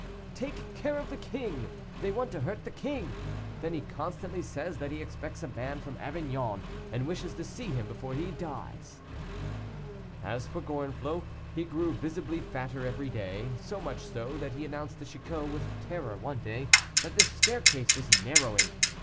"Take care of the king! they want to hurt the king! Then he constantly says that he expects a man from Avignon, and wishes to see him before he dies." As for Gorenflot, he grew visibly fatter every day, so much so, that he announced to Chicot with terror one day that the staircase was narrowing.